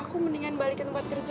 aku mendingan balik ke tempat kerja